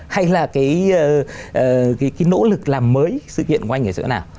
hay là cái nỗ lực làm mới sự kiện của anh ở giữa nào